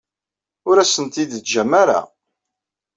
Ur asen-ten-id-teǧǧam ara.